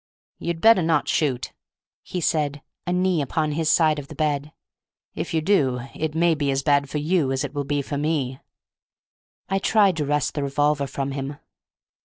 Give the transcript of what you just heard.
"You'd better not shoot," he said, a knee upon his side of the bed; "if you do it may be as bad for you as it will be for me!" I tried to wrest the revolver from him.